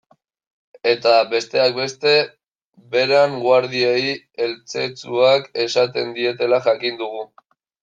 Eta, besteak beste, Beran guardiei eltzetzuak esaten dietela jakin dugu.